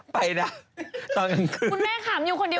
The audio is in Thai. ไปแล้วตอนกลางคืน